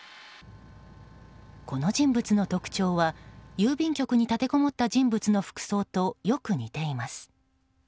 この人物の特徴は郵便局に立てこもった人物の服装とよく似ています。